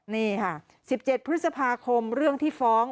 นี่ค่ะ๑๗พฤษภาคมเรื่องที่ฟ้อง